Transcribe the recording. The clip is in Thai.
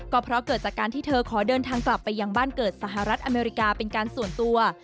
ก็เพราะเกิดจากการที่เธอขอเดินทางกลับไปยังบ้านเกิดสหรัฐอเมริกาเป็นการส่วนตัว